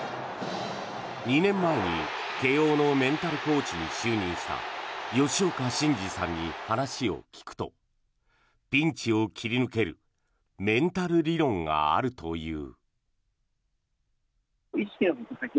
２年前に慶応のメンタルコーチに就任した吉岡眞司さんに話を聞くとピンチを切り抜けるメンタル理論があるという。